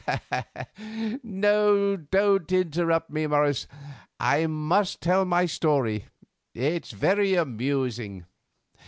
No, don't interrupt me, Morris; I must tell my story. It's very amusing.